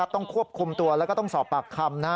ต้องควบคุมตัวแล้วก็ต้องสอบปากคำ